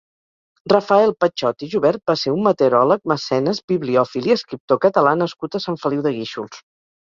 Rafael Patxot i Jubert va ser un meteoròleg, mecenes, bibliòfil i escriptor Català nascut a Sant Feliu de Guíxols.